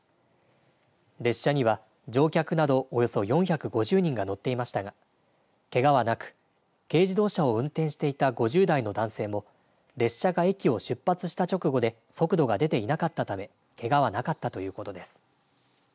列車には乗客などおよそ４５０人が乗っていましたがけがはなく、軽自動車を運転していた５０代の男性も列車が駅を出発した直後で速度が出ていなかったためけがはなかったということです。